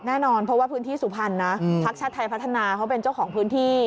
แน่นอนเพราะว่าพื้นที่สุพรรณนะพักชาติไทยพัฒนาเขาเป็นเจ้าของพื้นที่